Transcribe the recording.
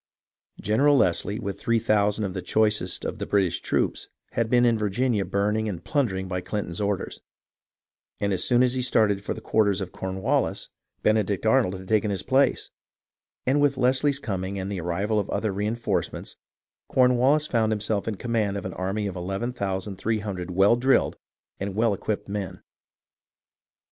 General Leslie, with 3000 of the choicest of the British troops, had been in Virginia burning and plunder ing by Clinton's orders, and as soon as he started for the quarters of Cornwallis, Benedict Arnold had taken his place ; and with Leslie's coming and the arrival of other reenforcements Cornwallis found himself in command of an army of 11,300 well drilled and well equipped men.